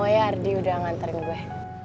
gak mau ya ardi udah nganterin gue